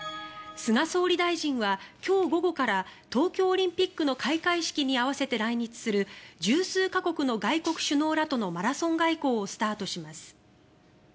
菅総理大臣は、今日午後から東京オリンピックの開会式に合わせて来日する十数か国の外国首脳らとのマラソン外交をスタートします。